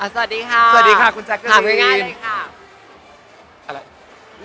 สวัสดีค่ะสวัสดีค่ะคุณแจ๊คก็ถามง่ายเลยค่ะอะไร